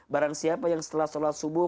barang siapa yang setelah sholat subuh